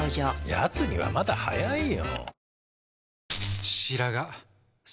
やつにはまだ早いよ。